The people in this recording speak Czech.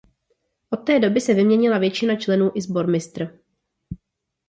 Od té doby se vyměnila většina členů i sbormistr.